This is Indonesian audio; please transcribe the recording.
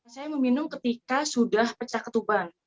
saya meminum ketika sudah pecah ketuban